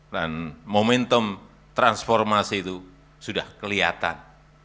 dan momentum transformasi itu sudah kelihatan